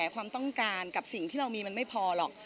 ความต้องการกับสิ่งที่เรามีมันไม่พอหรอก